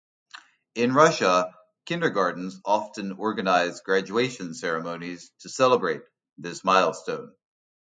In Russia, kindergartens often organize graduation ceremonies to celebrate this milestone.